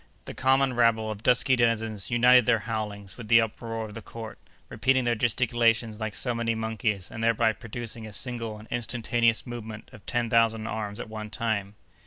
The common rabble of dusky denizens united their howlings with the uproar of the court, repeating their gesticulations like so many monkeys, and thereby producing a single and instantaneous movement of ten thousand arms at one time.